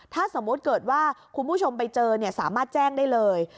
ถ้าสมมุติเกิดว่าคุณผู้ชมไปเจอสามารถแจ้งได้เลย